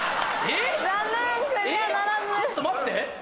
ちょっと待って？